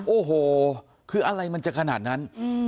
โอ้โหคืออะไรมันจะขนาดนั้น